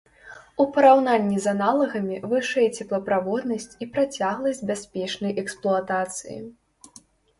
У параўнанні з аналагамі вышэй цеплаправоднасць і працягласць бяспечнай эксплуатацыі.